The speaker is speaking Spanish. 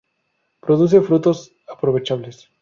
Produce frutos aprovechables.